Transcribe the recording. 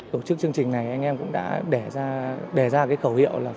tổ chức chương trình này anh em cũng đã đề ra cái khẩu hiệu là